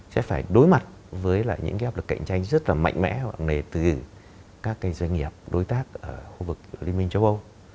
sẽ phải đối mặt với những cái áp lực cạnh tranh rất là mạnh mẽ hoặc nề từ các cái doanh nghiệp đối tác ở khu vực liên minh châu âu